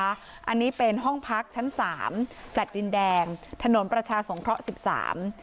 อันนี้เป็นห้องพักชั้นสามแฟลต์ดินแดงถนนประชาสงเคราะห์สิบสาม